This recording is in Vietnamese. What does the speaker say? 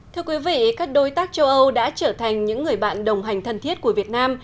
thưa quý vị các đối tác châu âu đã trở thành những người bạn đồng hành thân thiết của việt nam